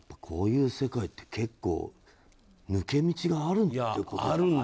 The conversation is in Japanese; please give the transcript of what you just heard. こういう世界って結構抜け道があるんだってことだよね。